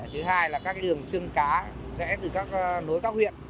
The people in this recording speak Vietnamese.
thứ hai là các đường sưng cá rẽ từ các nối các huyện